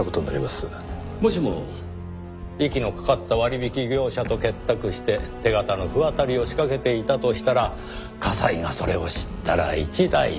もしも息のかかった割引業者と結託して手形の不渡りを仕掛けていたとしたら加西がそれを知ったら一大事。